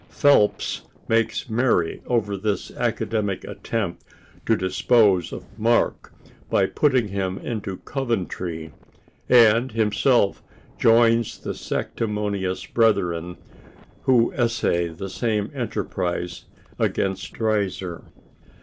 Phelps makes merry over this academic attempt to dispose of Mark by putting him into Coventry—and himself joins the sanctimonious brethren who essay the same enterprise against Dreiser....